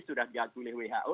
sudah diakui oleh who